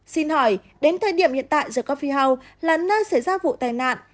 xin hỏi đến thời điểm hiện tại the coffee house là nơi xảy ra vụ tài nạn